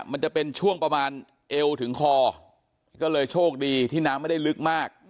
มันจะเป็นช่วงประมาณเอวถึงคอก็เลยโชคดีที่น้ำไม่ได้ลึกมาก